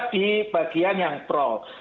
di bagian yang pro